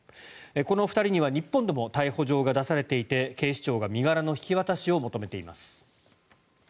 この２人には日本でも逮捕状が出されていて警視庁が身柄の引き渡しを求めています。